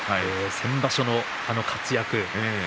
先場所の活躍。